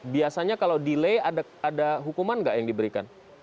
biasanya kalau delay ada hukuman nggak yang diberikan